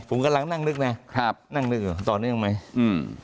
ผมกำลังนั่งนึกนะครับนั่งนึกอยู่ต่อเนื่องไหมอืม